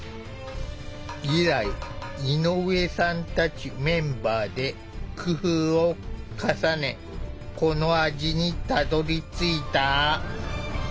以来井上さんたちメンバーで工夫を重ねこの味にたどりついた。